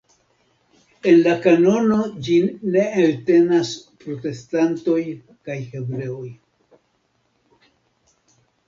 En la kanono ĝin ne entenas protestantoj kaj hebreoj.